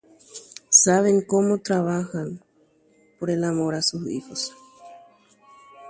Oikuaa hikuái mba'éichapa omba'apo imembykuéra rayhupápe.